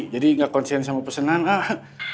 jadi gak konsen sama pesenan ah